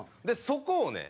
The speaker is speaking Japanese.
そこをね